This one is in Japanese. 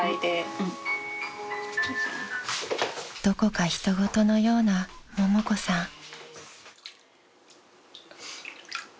［どこか人ごとのようなももこさん］